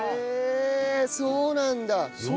へえそうなんだ！